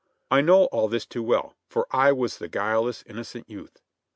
I know all this too well, for I was that guileless, innocent youth.